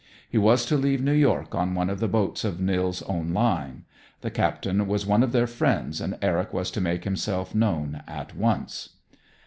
He was to leave New York on one of the boats of Nils' own line; the captain was one of their friends, and Eric was to make himself known at once.